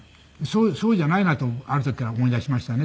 そうじゃないなとある時から思いだしましたね。